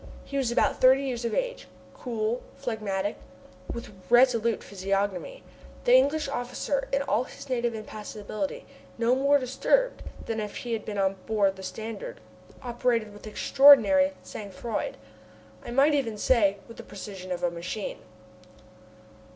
He was about thirty years of age, cool, phlegmatic, with resolute physiognomy the English officer in all his native impassibility no more disturbed than if he had been on board the Standard, operating with extraordinary sang froid, I might even say, with the precision of a machine.